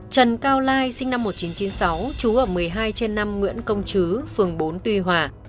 trần cao lai sinh năm một nghìn chín trăm chín mươi sáu trú ở một mươi hai trên năm nguyễn công chứ phường bốn tuy hòa